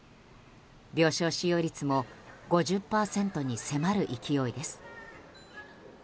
病床使用率も５０％に迫る勢いです。